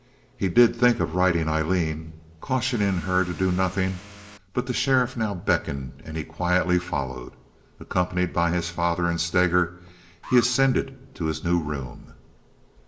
He did think of writing Aileen, cautioning her to do nothing; but the sheriff now beckoned, and he quietly followed. Accompanied by his father and Steger, he ascended to his new room.